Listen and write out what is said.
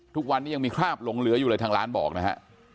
ทุกวันนี้ยังมีคราบลงเหลืออยู่เลยทางร้านบอกนะฮะ